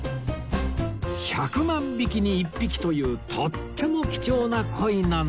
１００万匹に１匹というとっても貴重な鯉なんだとか